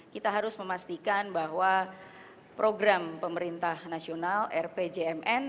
kita harus memastikan bahwa program pemerintah nasional rpjmn